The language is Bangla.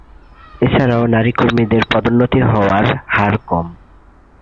এছাড়াও নারী কর্মীদের পদোন্নতি হওয়ার হারও কম।